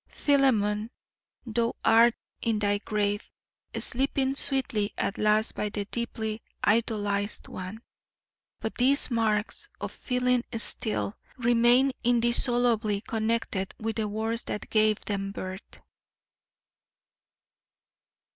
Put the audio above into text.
Philemon, thou art in thy grave, sleeping sweetly at last by thy deeply idolised one, but these marks of feeling still remain indissolubly connected with the words that gave them birth.